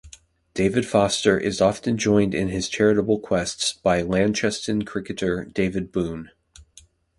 David Foster is often joined in his charitable quests by Launceston cricketer, David Boon.